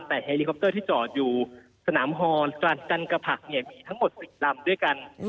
แต่เฮลิคอปเตอร์ที่จอดอยู่สนามฮอนจันกระผักมีทั้งหมด๔ลำด้วยกัน